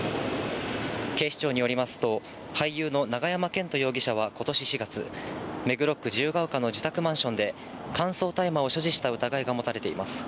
警視庁によりますと、俳優の永山絢斗容疑者はことし４月、目黒区自由が丘の自宅マンションで乾燥大麻を所持した疑いが持たれています。